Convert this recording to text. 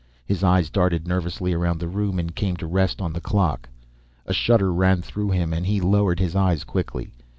His eyes darted nervously around the room and came to rest on the clock. A shudder ran through him and he lowered his eyes quickly.